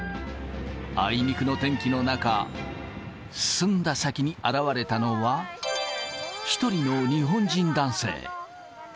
あいにくの天気の中、進んだ先に現れたのは、１人の日本人男性。